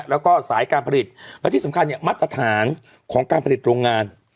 แล้วก็สายการผลิตและที่สำคัญเนี่ยมาตรฐานของการผลิตโรงงาน